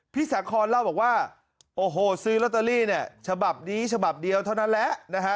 สาคอนเล่าบอกว่าโอ้โหซื้อลอตเตอรี่เนี่ยฉบับนี้ฉบับเดียวเท่านั้นแหละนะฮะ